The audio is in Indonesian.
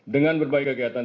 dengan berbagai kegiatan